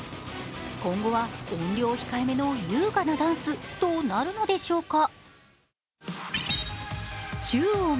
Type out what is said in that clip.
今後は音量控えめの優雅なダンスとなるのでしょうか。